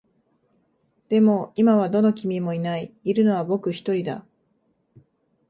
でも、今はどの君もいない。いるのは僕一人だ。